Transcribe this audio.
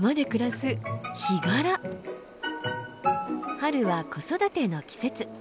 春は子育ての季節。